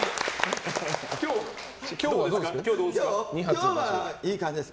今日はいい感じです。